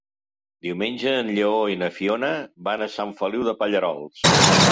Diumenge en Lleó i na Fiona van a Sant Feliu de Pallerols.